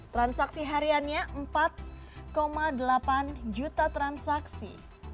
transaksi hariannya empat delapan juta transaksi